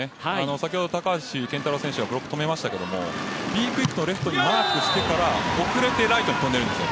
先ほど、高橋健太郎選手がブロックを止めましたけどＢクイックをしてから遅れてライトに跳んでいるんです。